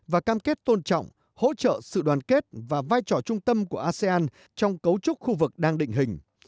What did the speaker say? và cam kết tôn trọng hỗ trợ sự đoàn kết và vai trò trung tâm của asean trong cấu trúc khu vực đang định hình